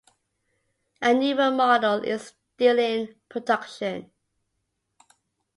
A newer model is still in production.